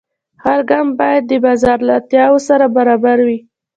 هر ګام باید د بازار له اړتیا سره برابر وي.